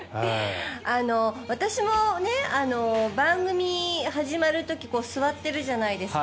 私も番組始まる時座ってるじゃないですか。